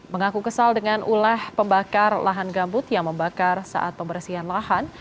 mengaku kesal dengan ulah pembakar lahan gambut yang membakar saat pembersihan lahan